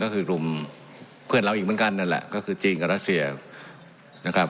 ก็คือกลุ่มเพื่อนเราอีกเหมือนกันนั่นแหละก็คือจีนกับรัสเซียนะครับ